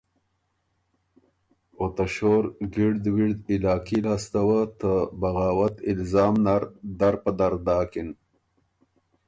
او ته شور ګِړد وِړد علاقي لاسته وه ته بغاوت الزام نر در په در داکِن۔